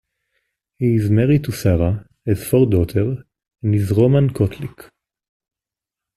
He is married to Sarah, has four daughters, and is Roman Catholic.